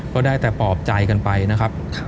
ก็ได้แต่ปลอบใจกันไปนะครับ